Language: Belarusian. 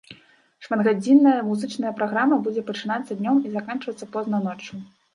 Шматгадзінная музычная праграма будзе пачынацца днём і заканчвацца позна ноччу.